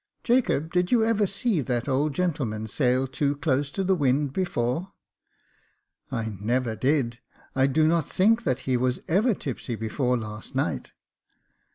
Jacob, did you ever see that old gentleman sail too close to the wind before ?" "I never did — I do not think that he was ever tipsy before last night."